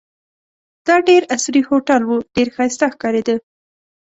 دا ډېر عصري هوټل وو، ډېر ښایسته ښکارېده.